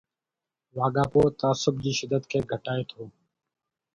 لاڳاپو تعصب جي شدت کي گھٽائي ٿو